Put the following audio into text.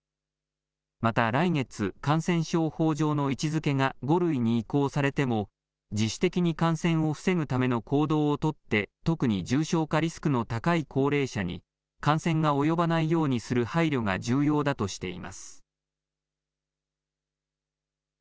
また来月、感染症法上の位置づけが５類に移行されても自主的に感染を防ぐための行動を取って特に重症化リスクの高い高齢者に感染が及ばないようにする配慮が重要だとしています。